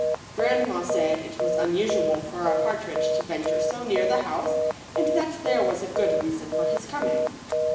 Grandma said it was unusual for a partridge to venture so near the house and that there was a good reason for his coming.